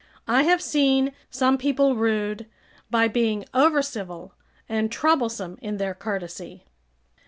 I have seen some people rude, by being overcivil and troublesome in their courtesy.